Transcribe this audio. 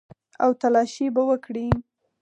او تلاشي به وکړي.